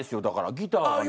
ギターがね。